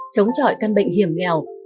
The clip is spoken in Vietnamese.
chống trọi căn bệnh hiểm nghèo